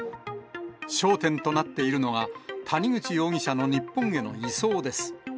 焦点となっているのが、谷口容疑者の日本への移送です。